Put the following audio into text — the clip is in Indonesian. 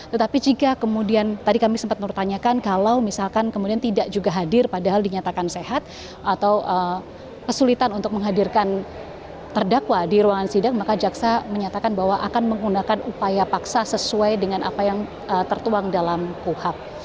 tetapi jika kemudian tadi kami sempat mempertanyakan kalau misalkan kemudian tidak juga hadir padahal dinyatakan sehat atau kesulitan untuk menghadirkan terdakwa di ruangan sidang maka jaksa menyatakan bahwa akan menggunakan upaya paksa sesuai dengan apa yang tertuang dalam kuhap